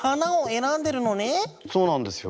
そうなんですよ。